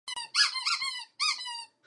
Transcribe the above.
Bylo založeno na počátku druhé světové války.